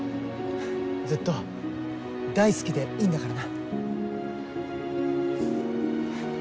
ずっと大好きでいいんだからな。